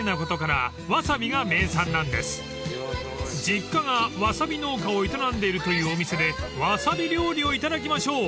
［実家がわさび農家を営んでいるというお店でわさび料理を頂きましょう］